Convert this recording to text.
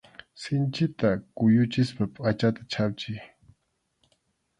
Sinchita kuyuchispa pʼachata chhapchiy.